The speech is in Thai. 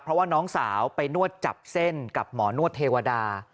เพราะว่าน้องสาวไปนวดจับเส้นกับหมอนวดเทวดา